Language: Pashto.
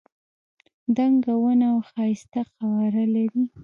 دنګه ونه او ښایسته قواره لري.